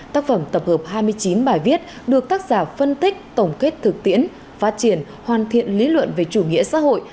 tác phẩm tập hợp hai mươi chín bài viết được tác giả phân tích tổng kết thực tiễn phát triển hoàn thiện lý luận về chủ nghĩa xã hội